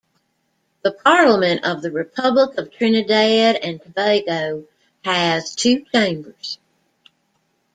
The Parliament of the Republic of Trinidad and Tobago has two chambers.